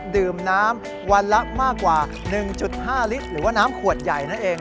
ดื่มน้ำวันละมากกว่า๑๕ลิตรหรือว่าน้ำขวดใหญ่นั่นเอง